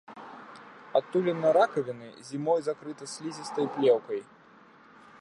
Адтуліна ракавіны зімой закрыта слізістай плеўкай.